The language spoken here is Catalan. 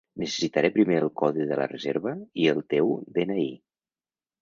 Necessitaré primer el codi de la reserva i el teu de-ena-i.